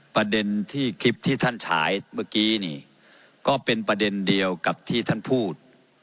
ประเด็นที่คลิปที่ท่านฉายเมื่อกี้นี่ก็เป็นประเด็นเดียวกับที่ท่านพูด